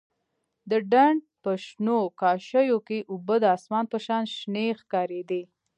د ډنډ په شنو کاشيو کښې اوبه د اسمان په شان شنې ښکارېدې.